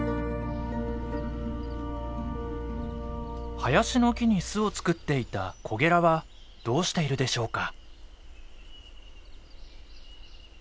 林の木に巣を作っていたコゲラはどうしているでしょうか。